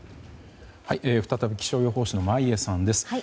再び気象予報士の眞家さんです。